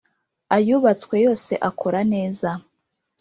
ayubatswe yose akora neza